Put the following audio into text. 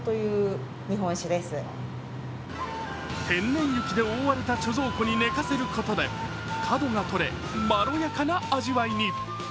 天然雪で覆われた貯蔵庫に寝かせることで角が取れ、まろやかな味わいに。